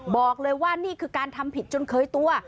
บอกเลยว่านี่คือการทำผิดจนเคยตัว